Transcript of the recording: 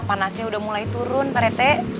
panasnya udah mulai turun pak rete